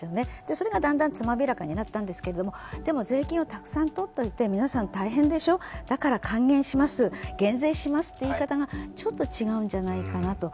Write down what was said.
それがだんだんつまびらかになったんですけど税金をたくさん取っておいて皆さん大変でしょ、だから還元します、減税しますという言い方がちょっと違うんじゃないかなと。